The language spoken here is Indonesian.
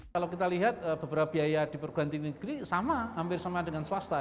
kalau kita lihat beberapa biaya di perguruan tinggi negeri sama hampir sama dengan swasta